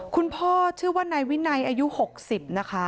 คุณพ่อชื่อว่านายวินัยอายุหกสิบ